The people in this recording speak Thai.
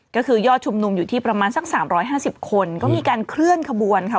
ก็คือยอดชุมนุมอยู่ที่ประมาณสัก๓๕๐คนก็มีการเคลื่อนขบวนค่ะ